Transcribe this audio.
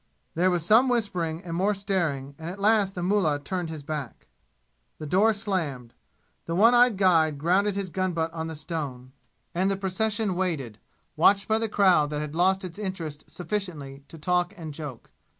There was some whispering and more staring, and at last the mullah turned his back. The door slammed. The one eyed guide grounded his gun butt on the stone, and the procession waited, watched by the crowd that had lost its interest sufficiently to talk and joke.